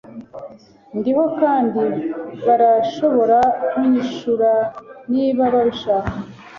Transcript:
Ndiho kandi barashobora kunyishura niba babishaka